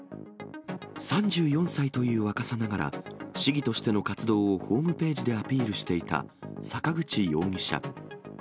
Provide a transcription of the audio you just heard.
３４歳という若さながら、市議としての活動をホームページでアピールしていた坂口容疑者。